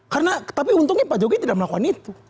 karena tapi untungnya pak jokowi tidak melakukan itu